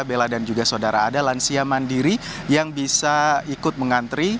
bella dan juga saudara ada lansia mandiri yang bisa ikut mengantri